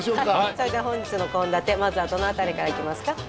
それでは本日の献立まずはどの辺りからいきますか？